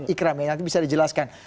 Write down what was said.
ikram ya nanti bisa dijelaskan